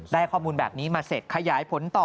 ได้ข้อมูลแบบนี้มาเสร็จขยายผลต่อ